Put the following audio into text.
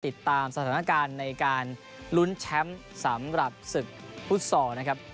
ติดตามสถานการณ์ในการลุ้นแชมป์สำหรับศึกฟุตซอลนะครับ